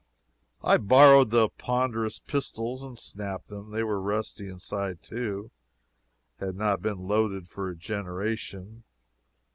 I borrowed the ponderous pistols and snapped them. They were rusty inside, too had not been loaded for a generation.